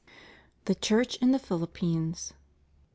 THE CHURCH IN THE PHILIPPINES.